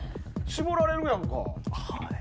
絞られるやんか。